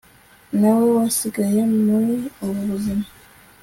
na we wasigaye muri ubu buzima